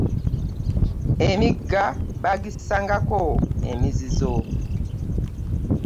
Emigga baagisangako emizizo.